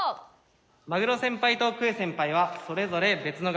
マグロ先輩とクエ先輩はそれぞれ別の学部です。